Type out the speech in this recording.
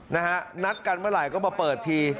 นะฮะนัดกันเมื่อไหร่ก็มาเปิดที